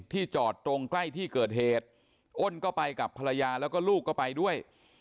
จอดตรงใกล้ที่เกิดเหตุอ้นก็ไปกับภรรยาแล้วก็ลูกก็ไปด้วย